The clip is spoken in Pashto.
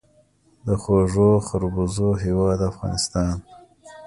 د خوږو خربوزو هیواد افغانستان.